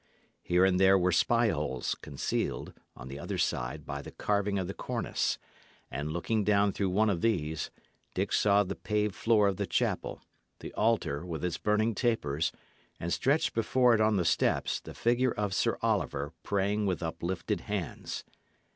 Here and there were spyholes, concealed, on the other side, by the carving of the cornice; and looking down through one of these, Dick saw the paved floor of the chapel the altar, with its burning tapers and stretched before it on the steps, the figure of Sir Oliver praying with uplifted hands.